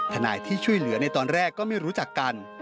ทนายที่ช่วยเหลือในตอนแรกก็ไม่รู้จักกัน